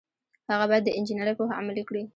هغه باید د انجنیری پوهه عملي کړي.